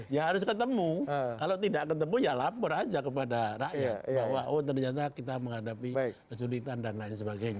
ya harus ketemu kalau tidak ketemu ya lapor aja kepada rakyat bahwa oh ternyata kita menghadapi kesulitan dan lain sebagainya